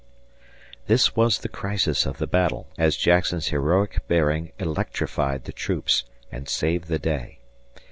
This was the crisis of the battle, as Jackson's heroic bearing electrified the troops and saved the day.